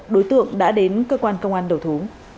đối tượng đã đến cơ quan công an đầu thú